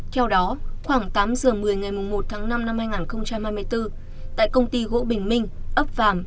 theo đó khoảng tám giờ một mươi ngày một tháng năm năm hai nghìn hai mươi bốn tại công ty gỗ bình minh ấp vàm